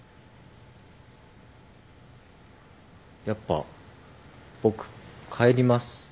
やっぱ僕帰ります。